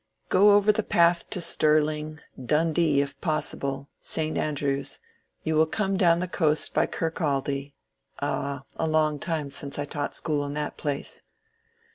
" Go over the path to Stirling — Dundee, if possible — St. Andrews, you will come down the coast by Kirkcaldy — Ah — a long time since I taught school in that place."